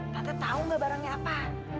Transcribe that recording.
tante tau gak barangnya apa